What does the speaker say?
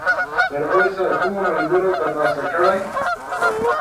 تراوسه کومو ملګرو ترلاسه کړی!؟